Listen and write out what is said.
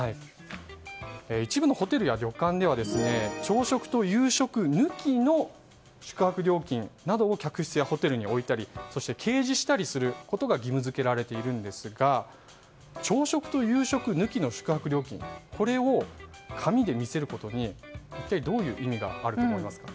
一部のホテルや旅館では朝食と夕食抜きの宿泊料金を客室やホテルに置いたりそして掲示したりすることが義務付けられているんですが朝食と夕食抜きの宿泊料金を紙で見せることに一体どういう意味があるのか。